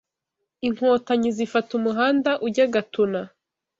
Inkotanyi zifata umuhanda ujya Gatuna